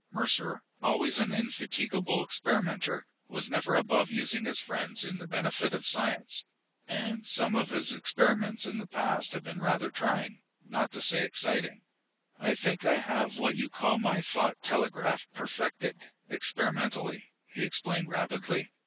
Mercer, always an indefatigable experimenter, was never above using his friends in the benefit of science. And some of his experiments in the past had been rather trying, not to say exciting. "I think I have what you call my thought telegraph perfected, experimentally," he explained rapidly.